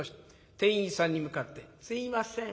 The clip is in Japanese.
店員さんに向かって「すいません。